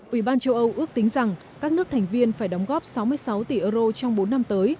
ủy ban châu âu ước tính rằng các nước thành viên phải đóng góp sáu mươi sáu tỷ euro trong bốn năm tới